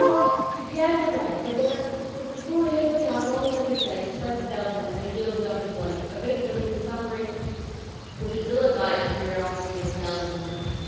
He began to write, but before he had put down all he meant to say, his breath failed him and he yielded up his life, a victim to the suffering which his ill advised curiosity had entailed upon him.